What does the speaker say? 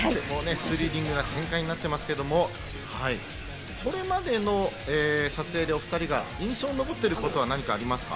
スリリングな展開になっておりますけれども、これまでの撮影でお２人が印象に残っていることは何かありますか？